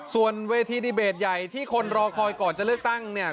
ส่วนเวทีดีเบตใหญ่ที่คนรอคอยก่อนจะเลือกตั้งเนี่ย